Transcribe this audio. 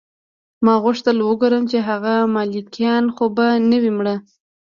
ما غوښتل وګورم چې هغه ملکیان خو به نه وي مړه